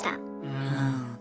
うん。